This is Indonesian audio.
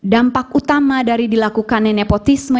dampak utama dari dilakukan nenekotisme